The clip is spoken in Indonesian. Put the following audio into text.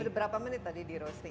sudah berapa menit tadi di roasting